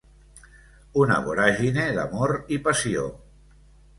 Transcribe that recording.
Una voràgine d'amor i passió.